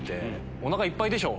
おなかいっぱいでしょ？